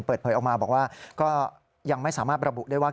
เปิดเผยออกมาบอกว่าก็ยังไม่สามารถระบุได้ว่า